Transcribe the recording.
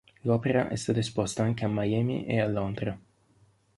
L'opera è stata esposta anche a Miami e a Londra.